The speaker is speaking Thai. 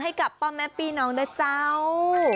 ให้กับป้าแม่ปีน้องนะเจ้า